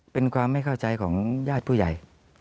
เป็นความไม่เข้าใจของญาติผู้ใหญ่